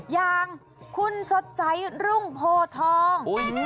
อย่างคุณสดใสรุ่งโพทอง